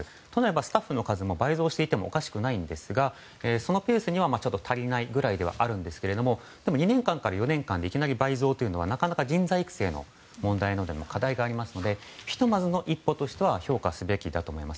スタッフの数も倍増していてもおかしくないですがそのペースには足りないくらいですが２年間から４年間でいきなり倍増というのは人材育成問題など課題があるのでひとまずの一歩としては評価すべきだと思います。